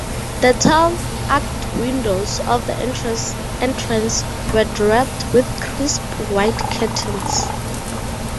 The tall, arched windows of the entrance were draped with crisp white curtains.